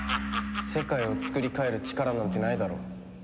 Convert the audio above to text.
世界をつくり変える力なんてないだろ。